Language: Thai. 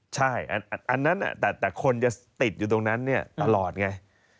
ใช่แต่คนจะติดอยู่ตรงนั้นเนี่ยตลอดไง